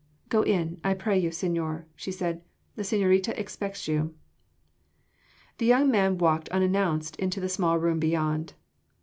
"Go in, I pray you, señor," she said, "the señorita expects you." The young man walked unannounced into the small room beyond.